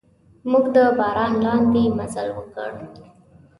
موږ د باران لاندې مزل وکړ.